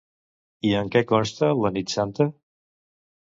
I en què consta la "nit santa"?